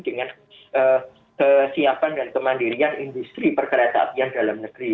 dengan kesiapan dan kemandirian industri perkeretaapian dalam negeri